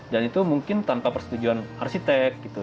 dan itu mungkin tanpa persetujuan arsitek gitu